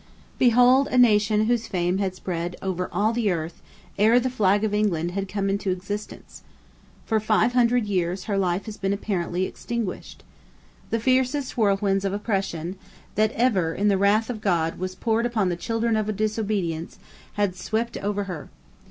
Behold a nation whose fame had spread over all the earth ere the flag of England had come into existence. For 500 years her life has been apparently extinguished. The fiercest whirlwind of oppression that ever in the wrath of God was poured upon the children of disobedience had swept over her.